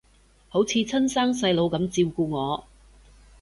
好似親生細佬噉照顧我